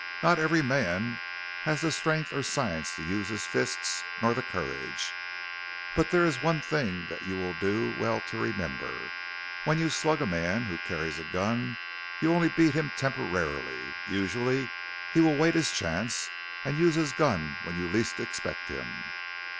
Not every man has the strength or science to use his fists, nor the courage. But there is one thing that you will do well to remember. When you slug a man who carries a gun you only beat him temporarily; usually he will wait his chance and use his gun when you least expect him."